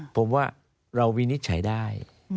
ผมว่าเราวินิจฉัยได้